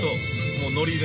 もうノリで。